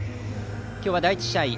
今日は第１試合